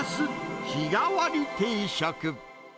日替わり定食。